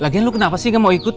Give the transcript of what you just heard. lagi kan lo kenapa sih gak mau ikut